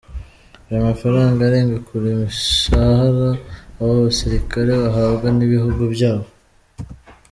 Ayo mafaranga arenga kure imishahara abo basirikare bahabwa n’ibihugu byabo.